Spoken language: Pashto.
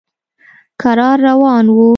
کرار روان و.